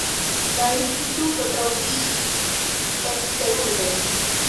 La instituto troviĝis eksterurbe.